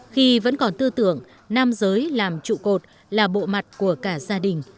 khi vẫn còn tư tưởng nam giới làm trụ cột là bộ mặt của cả gia đình